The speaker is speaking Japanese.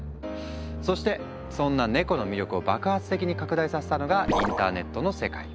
そしてそんなネコの魅力を爆発的に拡大させたのがインターネットの世界。